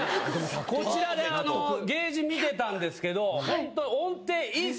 こちらでゲージ見てたんですけど。